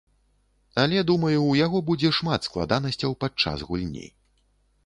Але думаю, у яго будзе шмат складанасцяў падчас гульні.